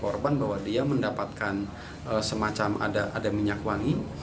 korban bahwa dia mendapatkan semacam ada minyak wangi